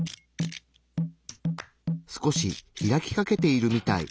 少し開きかけているみたい。